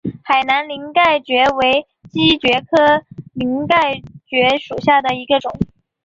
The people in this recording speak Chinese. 海南鳞盖蕨为姬蕨科鳞盖蕨属下的一个种。